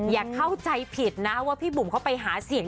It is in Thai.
อย่าเข้าใจผิดนะว่าพี่บุ๋มเขาไปหาเสียง